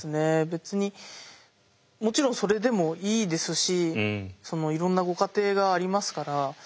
別にもちろんそれでもいいですしいろんなご家庭がありますから。